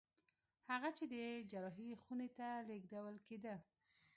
هغه چې د جراحي خونې ته لېږدول کېده